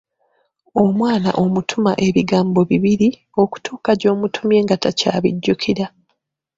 Omwana omutuma ebigambo bibiri, okutuuka gy'omutumye nga takyabijjukira.